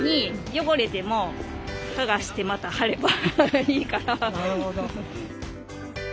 汚れてもはがしてまた貼ればいいから。